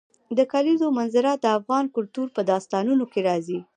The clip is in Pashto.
د کلیزو منظره د افغان کلتور په داستانونو کې راځي.